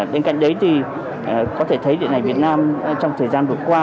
bên cạnh đấy thì có thể thấy điện ảnh việt nam trong thời gian vừa qua